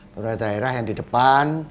pemerintah daerah yang di depan